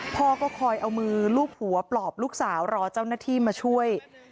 พ่อก็คอยเอามือลูบหัวปลอบลูกสาวรอเจ้าหน้าที่มาช่วย